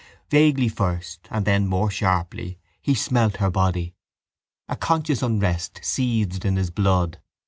Vaguely first and then more sharply he smelt her body. A conscious unrest seethed in his blood.